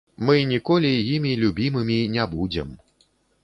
Мы ніколі імі любімымі не будзем.